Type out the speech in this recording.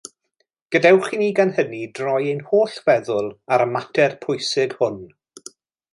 Gadewch i ni gan hynny droi ein holl feddwl ar y mater pwysig hwn.